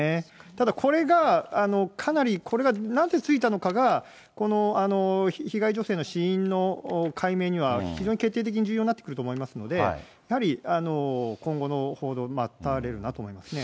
ただ、これがかなり、これがなぜついたのかが、この被害女性の死因の解明には非常に決定的に重要になってくると思いますので、やはり今後の報道、待たれるなと思いますね。